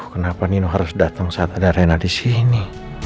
kenapa panino harus dateng saat ada rena disini